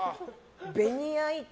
ベニヤ板